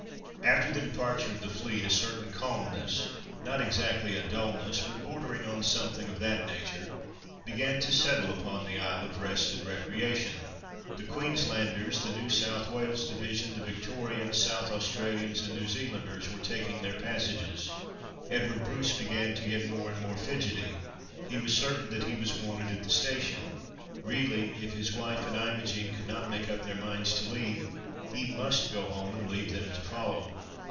After the departure of the fleet, a certain calmness—not exactly a dullness, but bordering on something of that nature—began to settle upon the Isle of Rest and Recreation. The Queenslanders, the New South Wales division, the Victorians, South Australians, and New Zealanders were taking their passages. Edward Bruce began to get more and more fidgety—he was certain that he was wanted at the station; really, if his wife and Imogen could not make up their minds to leave, he must go home and leave them to follow.